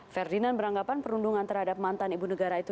ferdinand beranggapan perundungan terhadap mantan ibu negara itu